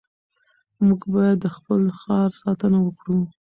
موږ باید د خپل ښار ساتنه وکړو.